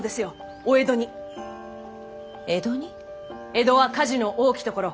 江戸は火事の多きところ。